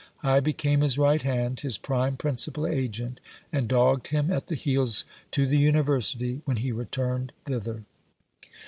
I became his right hand, his prime principal agent ; and dogged him at the heels to the university when he returned thither.